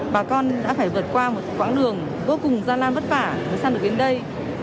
bà con đã phải vượt qua một quãng đường vô cùng gian lan vất vả mới săn được đến đây